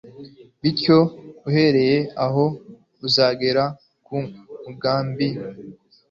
bityo uhereye aho uzagera ku mugambi